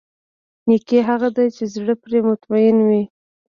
نېکي هغه ده چې زړه پرې مطمئن وي.